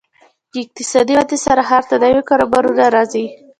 اقتصادي ودې سره ښار ته نوي کاروبارونه راځي.